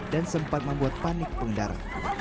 dan sempat membuat panik pengendara